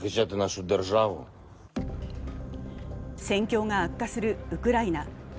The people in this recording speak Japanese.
戦況が悪化するウクライナ。